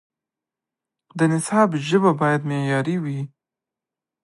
د نصاب ژبه باید معیاري وي.